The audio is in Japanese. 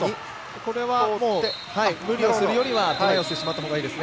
無理をするよりはトライしてしまったほうがいいです。